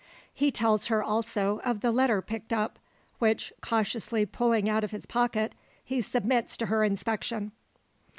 He tells her, also, of the letter picked up; which, cautiously pulling out of his pocket, he submits to her inspection.